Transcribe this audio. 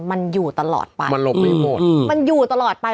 มันอยู่ตลอดไปมันอยู่ตลอดไป